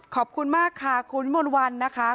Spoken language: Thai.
ขอบคุณมากค่ะคุณมนต์วันนะคะ